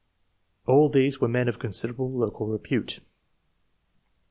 All these were men of considerable local repute.